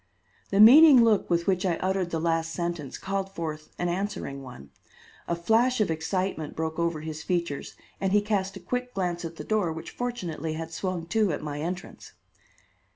The meaning look with which I uttered the last sentence called forth an answering one. A flash of excitement broke over his features and he cast a quick glance at the door which fortunately had swung to at my entrance.